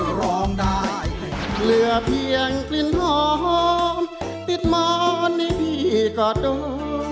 เพื่อเพียงกลิ่นหอมติดมอนให้พี่กอดดม